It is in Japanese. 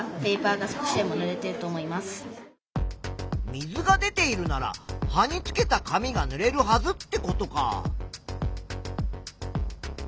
水が出ているなら葉につけた紙がぬれるはずってことか。